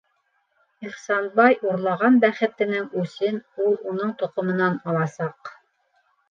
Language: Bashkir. Ихсанбай урлаған бәхетенең үсен ул уның тоҡомонан аласаҡ!